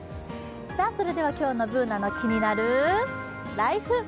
今日の「ＢｏｏｎａのキニナルＬＩＦＥ」。